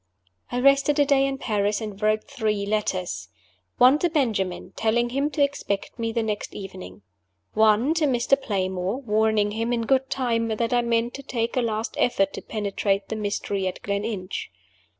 I rested a day at Paris and wrote three letters. One to Benjamin, telling him to expect me the next evening. One to Mr. Playmore, warning him, in good time, that I meant to make a last effort to penetrate the mystery at Gleninch.